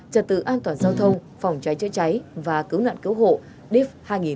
trật tự an toàn giao thông phòng trái chết cháy và cứu nạn cứu hộ điếp hai nghìn hai mươi ba